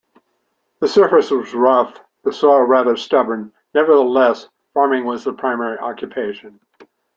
The surface was rough, the soil rather stubborn; nevertheless, farming was the primary occupation.